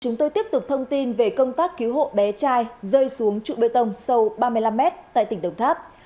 chúng tôi tiếp tục thông tin về công tác cứu hộ bé trai rơi xuống trụ bê tông sâu ba mươi năm m tại tỉnh đồng tháp